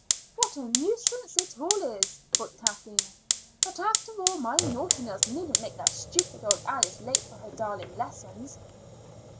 "What a nuisance it all is!" thought Kathleen. "But, after all, my naughtiness needn't make that stupid old Alice late for her darling lessons."